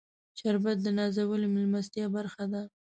شربت د نازولې میلمستیا برخه ده